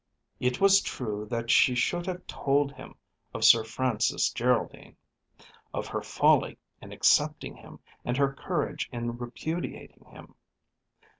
It was true that she should have told him of Sir Francis Geraldine; of her folly in accepting him and her courage in repudiating him.